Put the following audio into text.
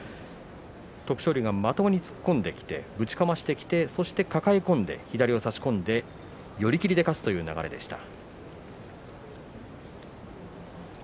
徳勝龍がまともに突っ込んできてぶちかましてきて、抱え込んで左を差し込んで寄り切りで勝つという流れでした。